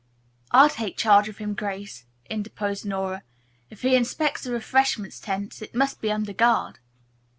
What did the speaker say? "I'll take charge of him, Grace," interposed Nora. "If he inspects the refreshment tent it must be under guard."